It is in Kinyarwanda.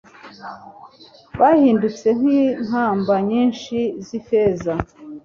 Bahindutse nk inkamba nyinshi z ifeza l